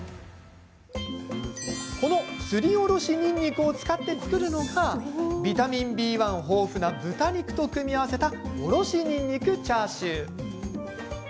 この、すりおろしにんにくを使って作るのがビタミンＢ１豊富な豚肉と組み合わせたおろしにんにくチャーシュー。